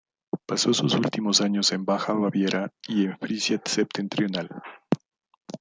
Pasó sus últimos años en Baja Baviera y en Frisia Septentrional.